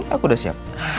aku udah siap